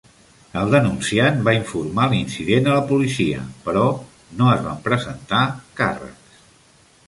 El denunciant va informar l'incident a la policia, però no es van presentar càrrecs.